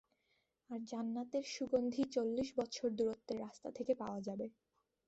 আর জান্নাতের সুগন্ধি চল্লিশ বৎসর দূরত্বের রাস্তা থেকে পাওয়া যাবে।